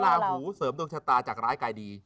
หรือลาหูเสริมดวงชะตาจากร้ายไก่ดี